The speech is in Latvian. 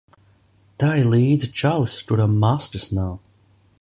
Tai līdzi čalis, kuram maskas nav.